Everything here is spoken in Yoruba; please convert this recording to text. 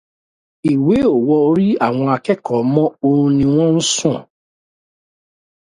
Ìwé ò wọ orí àwọn akẹ́kọ̀ọ́ mọ́ orun ní wọ́n sùn.